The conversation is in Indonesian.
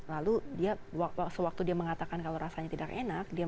lalu dia sewaktu dia mengatakan kalau rasanya tidak enak